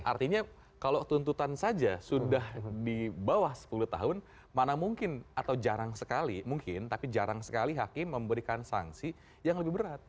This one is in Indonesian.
artinya kalau tuntutan saja sudah di bawah sepuluh tahun mana mungkin atau jarang sekali mungkin tapi jarang sekali hakim memberikan sanksi yang lebih berat